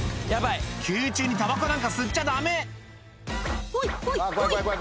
給油中にたばこなんか吸っちゃダメ「ほいほいほい」